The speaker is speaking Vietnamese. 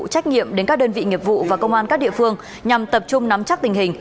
trách nhiệm đến các đơn vị nghiệp vụ và công an các địa phương nhằm tập trung nắm chắc tình hình